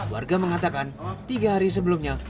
warga mengatakan tiga hari sebelumnya